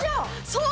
そう。